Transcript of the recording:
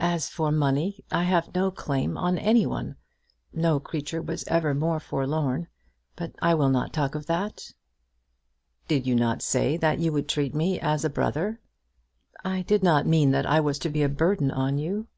"As for money, I have no claim on any one. No creature was ever more forlorn. But I will not talk of that." "Did you not say that you would treat me as a brother?" "I did not mean that I was to be a burden on you."